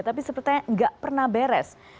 tapi sepertinya nggak pernah beres